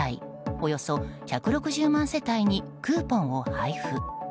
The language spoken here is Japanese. およそ１６０万世帯にクーポンを配布。